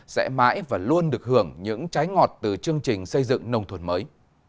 sẽ mãi và luôn được hưởng những trái ngọt từ chương trình xây dựng nông thôn mới